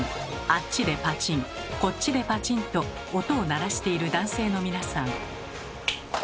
あっちでパチンこっちでパチンと音を鳴らしている男性の皆さん。